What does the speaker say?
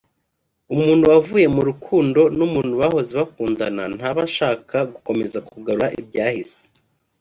umuntu wavuye mu rukundo n’umuntu bahoze bakundana ntaba ashaka gukomeza kugarura ibyahise